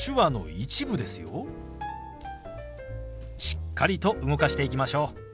しっかりと動かしていきましょう。